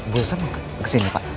bisa mau kesini pak